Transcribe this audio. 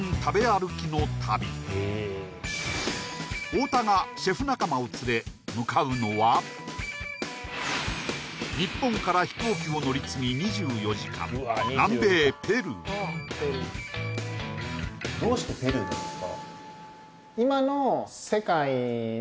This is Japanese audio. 太田がシェフ仲間を連れ向かうのは日本から飛行機を乗り継ぎ２４時間南米ペルーになりますね